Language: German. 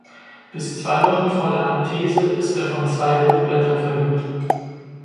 Bis zwei Wochen vor der Anthese ist er von zwei Hochblättern verhüllt.